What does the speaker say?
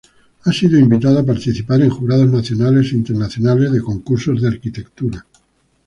Ha sido invitada a participar en jurados nacionales e internacionales de Concursos de Arquitectura.